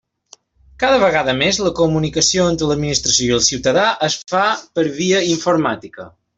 Cada vegada més, la comunicació entre l'administració i el ciutadà es fa per via informàtica.